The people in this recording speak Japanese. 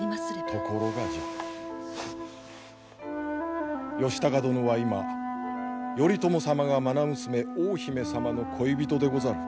ところがじゃ義高殿は今頼朝様がまな娘大姫様の恋人でござる。